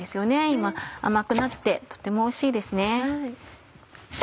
今甘くなってとてもおいしいですね。